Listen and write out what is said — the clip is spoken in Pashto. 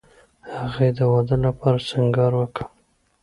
هغې د واده لپاره سینګار وکړ